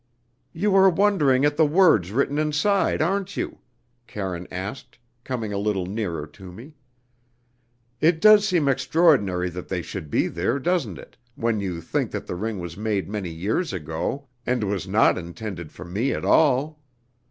"You are wondering at the words written inside, aren't you?" Karine asked, coming a little nearer to me. "It does seem extraordinary that they should be there, doesn't it, when you think that the ring was made many years ago, and was not intended for me at all?